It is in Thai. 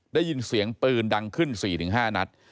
ได้ยินเสียงปืนดังขึ้น๔๕นัด